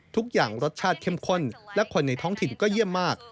ทุกอย่างรสชาติเข้มข้นและคนในท้องถิ่นก็เยี่ยมมาก